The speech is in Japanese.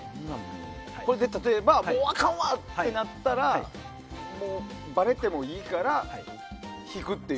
これで例えばもうあかんわ！ってなったらバレてもいいから引くっていう？